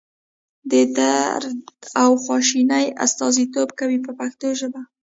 د درد او خواشینۍ استازیتوب کوي په پښتو ژبه.